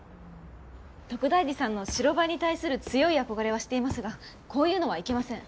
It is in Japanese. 徳大寺さんの白バイに対する強い憧れは知っていますがこういうのはいけません。